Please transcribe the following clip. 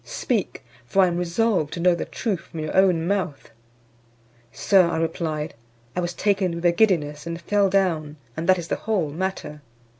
Speak, for I am resolved to know the truth from your own mouth." "Sir," I replied, "I was taken with a giddiness, and fell down, and that is the whole matter."